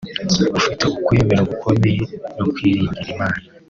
ufite ukwemera gukomeye no kwiringira Imana